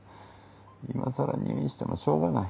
今更入院してもしょうがない。